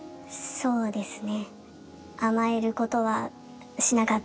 そうですね。